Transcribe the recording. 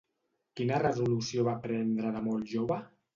Quina resolució va prendre de molt jove?